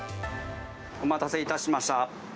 お待たせいたしました。